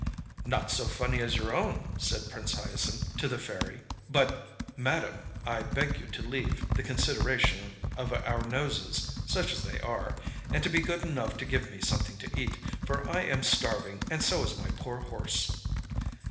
â âNot so funny as your own,â said Prince Hyacinth to the Fairy; âbut, madam, I beg you to leave the consideration of our noses such as they are and to be good enough to give me something to eat, for I am starving, and so is my poor horse.